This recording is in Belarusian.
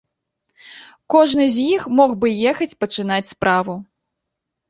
Кожны з іх мог бы ехаць пачынаць справу.